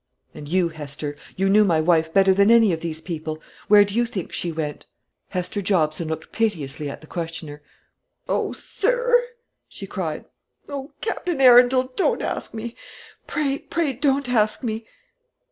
"And you, Hester, you knew my wife better than any of these people, where do you think she went?" Hester Jobson looked piteously at the questioner. "O sir!" she cried; "O Captain Arundel, don't ask me; pray, pray don't ask me."